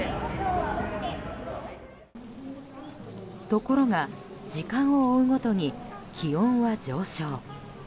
ところが時間を追うごとに気温は上昇。